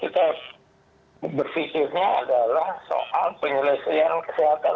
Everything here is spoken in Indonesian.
kita berpikirnya adalah soal penyelesaian kesehatan